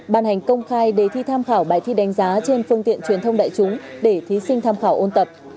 ban hành công khai đề thi tham khảo bài thi đánh giá trên phương tiện truyền thông đại chúng để thí sinh tham khảo ôn tập